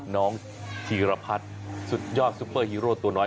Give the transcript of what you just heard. น้องธีรพัฒน์สุดยอดซุปเปอร์ฮีโร่ตัวน้อย